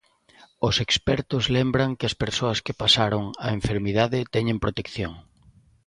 Os expertos lembran que as persoas que pasaron a enfermidade teñen protección.